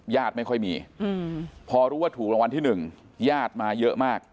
ไม่ค่อยมีพอรู้ว่าถูกรางวัลที่๑ญาติมาเยอะมาก